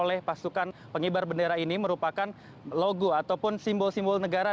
oleh pasukan pengibar bendera ini merupakan logo ataupun simbol simbol negara